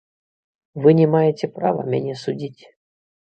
Вы не маеце права мяне судзіць.